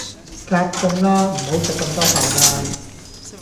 夾餸啦，唔好食咁多飯呀